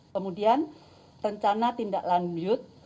kemudian rencana tindak lanjut